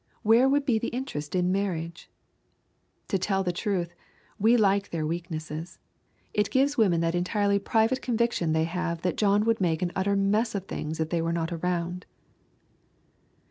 Where would be the interest in marriage? To tell the truth, we like their weaknesses. It gives women that entirely private conviction they have that John would make an utter mess of things if they were not around.